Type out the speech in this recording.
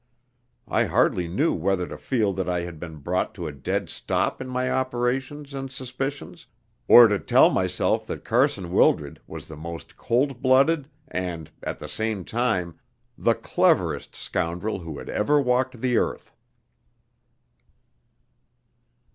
I hardly knew whether to feel that I had been brought to a dead stop in my operations and suspicions, or to tell myself that Carson Wildred was the most cold blooded, and, at the same time, the cleverest scoundrel who had ever walked the earth.